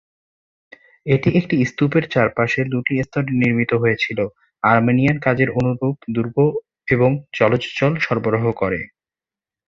এটি একটি স্তূপের চারপাশে দুটি স্তরে নির্মিত হয়েছিল, আর্মেনিয়ান কাজের অনুরূপ দুর্গ এবং জলজ জল সরবরাহ করে।